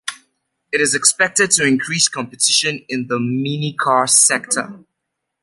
It is expected to increase competition in the minicar sector.